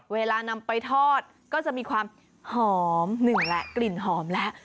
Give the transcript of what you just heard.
เวลานำไปทอดก็จะมีความหอมหนึ่งแล้วกลิ่นหอมแล้ว